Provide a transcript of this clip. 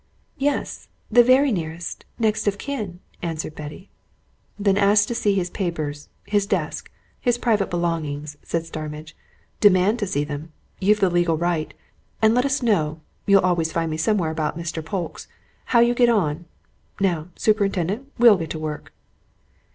"Yes the very nearest next of kin," answered Betty. "Then ask to see his papers his desk his private belongings," said Starmidge. "Demand to see them! You've the legal right. And let us know you'll always find me somewhere about Mr. Polke's how you get on. Now, superintendent, we'll get to work."